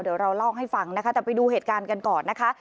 เดี๋ยวเราเล่าให้ฟังนะคะแต่ไปดูเหตุการณ์กันก่อนนะคะ